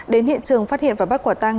đến hiện trường phát hiện và bắt quả tăng